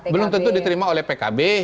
belum tentu diterima oleh pkb